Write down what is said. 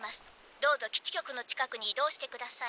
どうぞ基地局の近くに移動して下さい」。